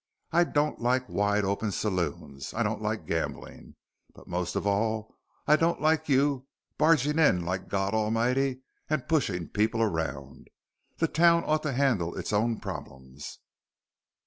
"I don't like wide open saloons. I don't like gambling. But most of all, I don't like your barging in like God Almighty and pushing people around. The town ought to handle its own problems."